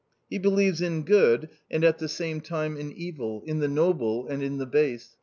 He believes in good and at the same A COMMON STORY 51 time in evil, in the noble and in the base.